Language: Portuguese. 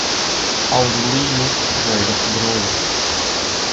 Aurelio Ferreira Pedroso